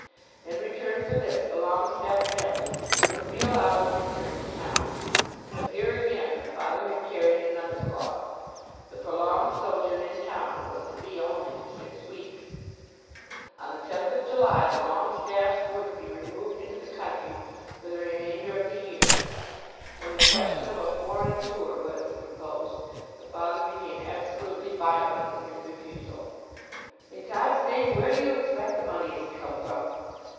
In return for this the Longestaffe family were to be allowed to return to town. But here again the father had carried another clause. The prolonged sojourn in town was to be only for six weeks. On the 10th of July the Longestaffes were to be removed into the country for the remainder of the year. When the question of a foreign tour was proposed, the father became absolutely violent in his refusal. "In God's name where do you expect the money is to come from?"